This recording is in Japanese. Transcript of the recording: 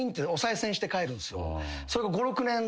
それが５６年。